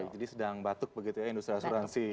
jadi sedang batuk begitu ya industri asuransi